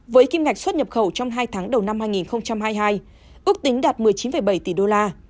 với kim ngạch xuất nhập khẩu trong hai tháng đầu năm hai nghìn hai mươi hai ước tính đạt một mươi chín bảy tỷ đô la